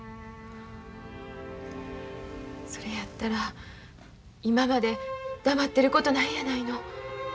それやったら今まで黙ってることないやないの。